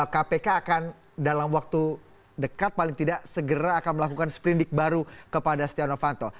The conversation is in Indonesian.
kpk akan dalam waktu dekat paling tidak segera akan melakukan sprindik baru kepada setia novanto